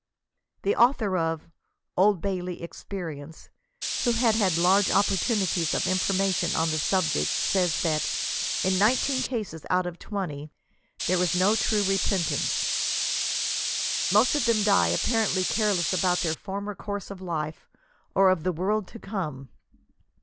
The author of " Old Bailey Experience," who had had large opportunities of information on the subject, says, that " in nineteen case^ out of twenty there is no true repentance; most of them die apparently careless about their former course of life, or of the world to come."